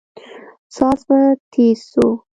ساز به تېز سو.